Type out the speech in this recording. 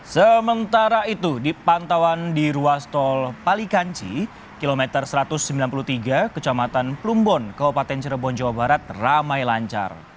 sementara itu di pantauan di ruas tol palikanci kilometer satu ratus sembilan puluh tiga kecamatan plumbon kabupaten cirebon jawa barat ramai lancar